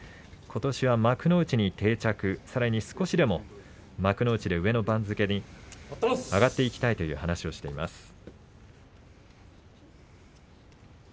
ことしは幕内に定着しさらには少しでも幕内の上の番付に上がっていきたいという話をしています。